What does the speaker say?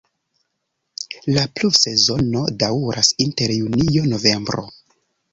La pluvsezono daŭras inter junio-novembro.